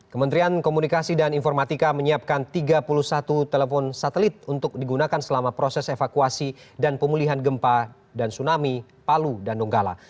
kementerian komunikasi dan informatika menyiapkan tiga puluh satu telepon satelit untuk digunakan selama proses evakuasi dan pemulihan gempa dan tsunami palu dan donggala